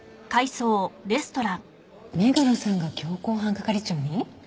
目黒さんが強行犯係長に？